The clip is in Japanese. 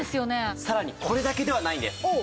さらにこれだけではないんです。